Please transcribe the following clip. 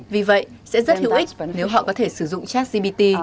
vì vậy sẽ rất hữu ích nếu họ có thể sử dụng chatgbt